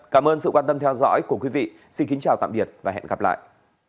cảm ơn sự quan tâm theo dõi của quý vị xin kính chào tạm biệt và hẹn gặp lại